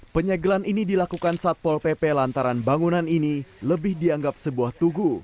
penyegelan ini dilakukan satpol pp lantaran bangunan ini lebih dianggap sebuah tugu